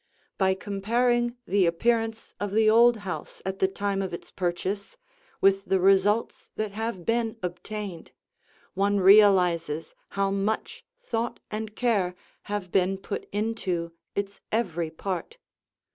By comparing the appearance of the old house at the time of its purchase with the results that have been obtained, one realizes how much thought and care have been put into its every part.